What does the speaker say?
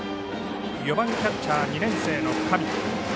４番キャッチャー２年生、上。